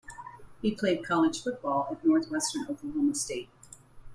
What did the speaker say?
He played college football at Northwestern Oklahoma State.